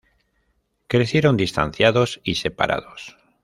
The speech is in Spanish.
Crecieron distanciados y separados.